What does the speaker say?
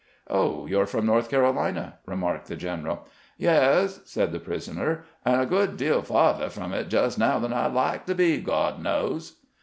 "Oh, you 're from North Carolina," remarked the general. " Tes," said the prisoner, " and a good deal fa'thah from it jes' now than I 'd like to be, God knows."